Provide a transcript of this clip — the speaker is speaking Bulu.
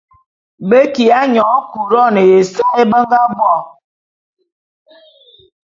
Be kiya nyône Couronne ya ésae be nga bo.